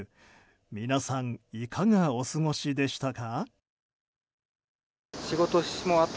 皆さんいかがお過ごしでしたか？